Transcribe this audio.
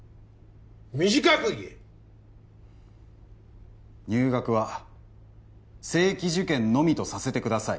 短く言え入学は正規受験のみとさせてください